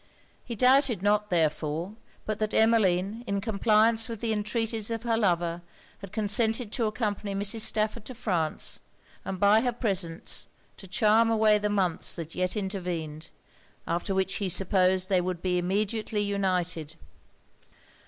He doubted not, therefore, but that Emmeline, in compliance with the entreaties of her lover, had consented to accompany Mrs. Stafford to France, and by her presence to charm away the months that yet intervened; after which he supposed they would be immediately united.